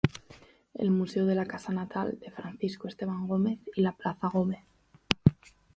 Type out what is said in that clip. El museo de la casa natal de Francisco Esteban Gómez y la plaza Gómez.